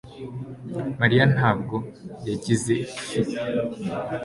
mariya ntabwo yagize fi